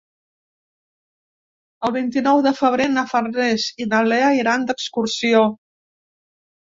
El vint-i-nou de febrer na Farners i na Lea iran d'excursió.